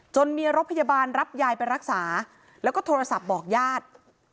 รถมีรถพยาบาลรับยายไปรักษาแล้วก็โทรศัพท์บอกญาติ